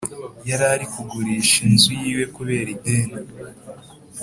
Yarari kugurisha inzu yiwe kubera ideni